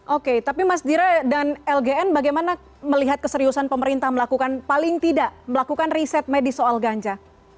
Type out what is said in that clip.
oke tapi mas dira dan lgn bagaimana melihat keseriusan pemerintah melakukan paling tidak melakukan riset medis soal ganja